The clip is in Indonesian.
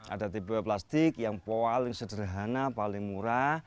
ada tpu plastik yang paling sederhana paling murah